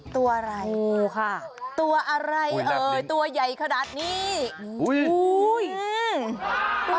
ตัวอะไรตัวอะไรตัวใหญ่ขนาดนี้อุ้ยอุ้ยอุ้ยอุ้ยอุ้ยอุ้ย